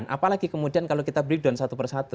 apalagi kemudian kalau kita breakdown satu persatu